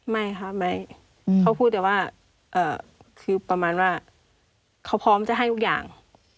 ไม่ค่ะไม่เขาพูดแต่ว่าคือประมาณว่าเขาพร้อมจะให้ทุกอย่าง